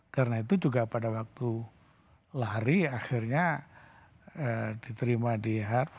karena itu juga pada waktu lari akhirnya diterima di harvard